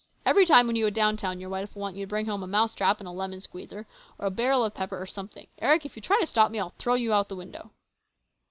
Every time when you go down town your wife will want you to bring home a mouse trap and a lemon squeezer, or a barrel of pepper or something. Eric, if you try to stop me, I'll throw you through the window."